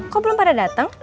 kok belum pada datang